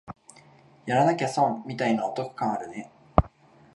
やらなきゃ損みたいなお得感あるね